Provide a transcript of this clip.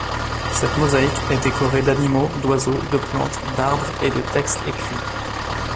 Cette mosaïque est décorée d'animaux, d'oiseaux, de plantes, d'arbres et de textes écrits.